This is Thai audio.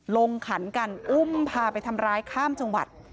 ขันกันอุ้มพาไปทำร้ายข้ามจังหวัด